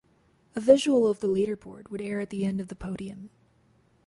A visual of The Leaderboard would air at the end of The Podium.